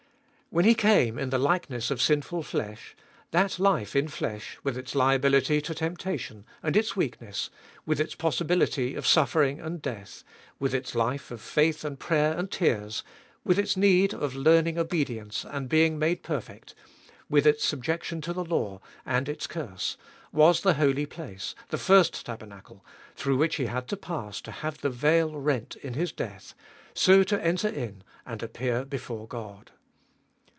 When He came in the likeness of sinful flesh, that life in flesh, with its liability to temptation, and its weakness, with its possibility of suffering and death, with its life of faith and prayer and tears, with its need of learning obedience and being made perfect, with its subjection to the law and its curse, was the Holy Place, the first tabernacle, through which He had to pass to have the veil rent in His death, so to enter in and appear before God.